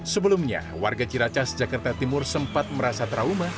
sebelumnya warga ciracas jakarta timur sempat merasa trauma